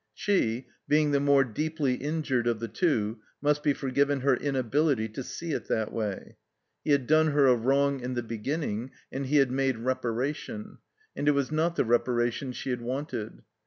She, being the more deeply injtired of the two, must be forgiven her inability to see it that way. He had done her a wrong in the beginning and he had made reparation, and it was not the reparation she had wanted.